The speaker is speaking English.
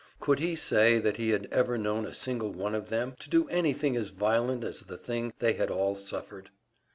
Could he say that he had ever known a single one of them to do anything as violent as the thing they had all suffered?